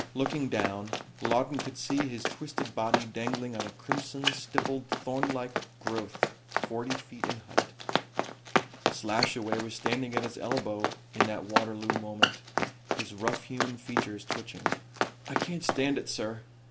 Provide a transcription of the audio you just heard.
Looking down Lawton could see his twisted body dangling on a crimson stippled thornlike growth forty feet in height. Slashaway was standing at his elbow in that Waterloo moment, his rough hewn features twitching. "I can't stand it, sir.